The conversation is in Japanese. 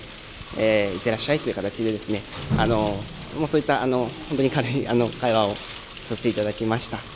行ってらっしゃいという形でですね、そういった本当に軽い会話をさせていただきました。